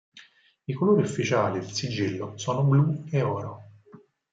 I colori ufficiali del sigillo sono blu e oro.